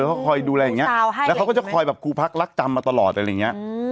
เขาคอยดูแลอย่างเงี้แล้วเขาก็จะคอยแบบครูพักรักจำมาตลอดอะไรอย่างนี้